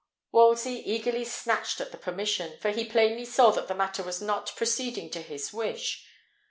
Wolsey eagerly snatched at the permission, for he plainly saw that the matter was not proceeding to his wish.